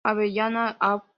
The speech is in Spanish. Avellaneda, Av.